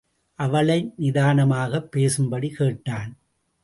அவளை நிதானமாகப் பேசும்படி கேட்டான்.